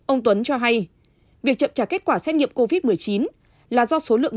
ông tuấn cho hay việc chậm trả kết quả xét nghiệm covid một mươi chín là do số lượng